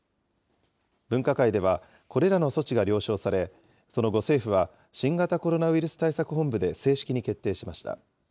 分科会では、これらの措置が了承され、その後、政府は新型コロナウイルス対策本部で正式に決定しました。